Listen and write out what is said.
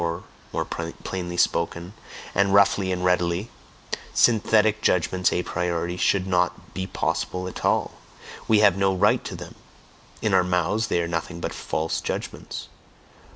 Or, more plainly spoken, and roughly and readily synthetic judgments a priori should not "be possible" at all; we have no right to them; in our mouths they are nothing but false judgments.